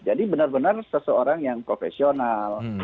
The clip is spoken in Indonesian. jadi benar benar seseorang yang profesional